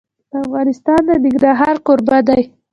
افغانستان د ننګرهار کوربه دی.